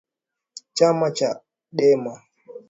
chama cha chadema na